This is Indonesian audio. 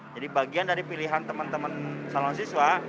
jadi bagian dari pilihan teman teman saluran siswa